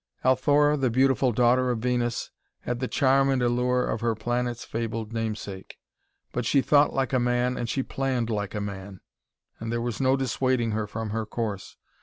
Althora, the beautiful daughter of Venus, had the charm and allure of her planet's fabled namesake. But she thought like a man and she planned like a man. And there was no dissuading her from her course.